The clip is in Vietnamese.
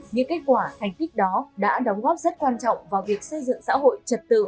những kết quả thành tích đó đã đóng góp rất quan trọng vào việc xây dựng xã hội trật tự